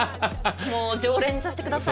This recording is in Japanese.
もう常連にさせて下さい。